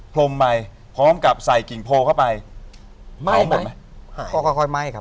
พรมไปพรมกับใส่กิ่งโภเหาะเข้าไป